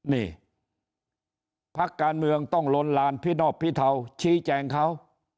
นี่พักการเมืองต้องลนลานพินอบพิเทาชี้แจงเขา